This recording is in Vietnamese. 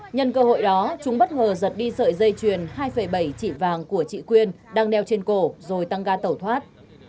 nhân cơ hội đó chúng bất ngờ giật đi sợi dây chuyền hai bảy chỉ vàng của chị quyên đang đeo trên cổ rồi tăng ga tẩu thoát